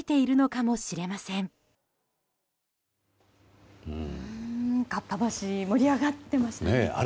かっぱ橋盛り上がってましたね。